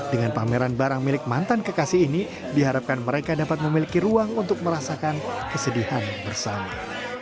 dengan pameran barang milik mantan kekasih ini diharapkan mereka dapat memiliki ruang untuk merasakan kesedihan bersama